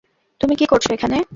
তুমি কী করছ এখানে?